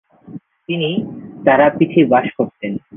তিনি তারাপীঠে বাস করতেন।